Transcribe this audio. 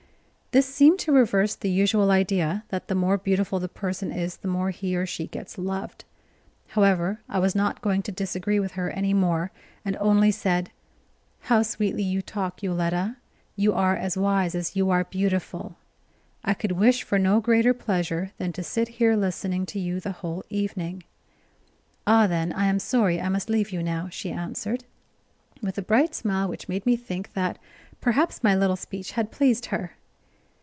This seemed to reverse the usual idea, that the more beautiful the person is the more he or she gets loved. However, I was not going to disagree with her any more, and only said: "How sweetly you talk, Yoletta; you are as wise as you are beautiful. I could wish for no greater pleasure than to sit here listening to you the whole evening." "Ah, then, I am sorry I must leave you now," she answered, with a bright smile which made me think that perhaps my little speech had pleased her.